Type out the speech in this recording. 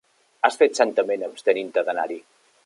Has fet santament abstenint-te d'anar-hi.